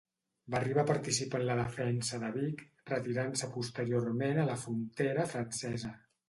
Va arribar a participar en la defensa de Vic, retirant-se posteriorment a la frontera francesa.